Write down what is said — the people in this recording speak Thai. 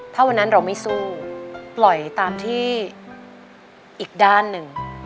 ถ้าวันนั้นเราไม่สู้ปล่อยตามที่อีกด้านหนึ่ง